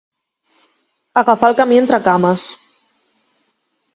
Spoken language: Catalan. Agafar el camí entre cames.